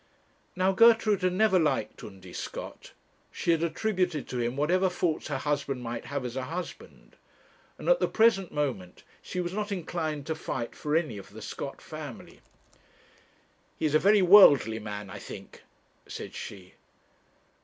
Now Gertrude had never liked Undy Scott; she had attributed to him whatever faults her husband might have as a husband; and at the present moment she was not inclined to fight for any of the Scott family. 'He is a very worldly man, I think,' said she.